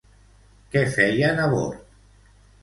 Què feien a bord?